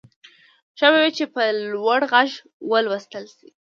ښه به وي چې په لوړ غږ ولوستل شي.